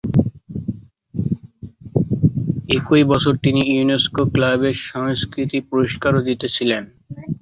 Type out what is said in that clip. একই বছর তিনি ইউনেস্কো ক্লাবে সাংস্কৃতিক পুরস্কারও জিতেছিলেন।